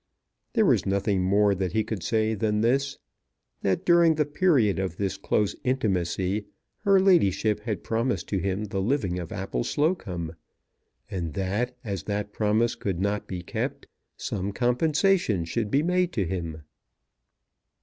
There was nothing more that he could say than this, that during the period of this close intimacy her ladyship had promised to him the living of Appleslocombe, and that, as that promise could not be kept, some compensation should be made to him.